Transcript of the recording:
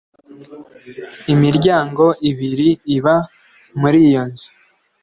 Imiryango ibiri iba muri iyo nzu